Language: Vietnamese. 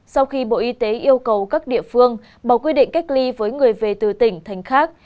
sau khi bộ y tế yêu cầu các địa phương bỏ quy định cách ly với người về từ tỉnh thành khác